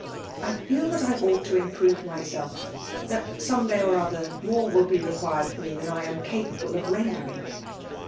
I feel that I ought to improve myself— that, some day or other> more will be required of me than I am capable of rendering.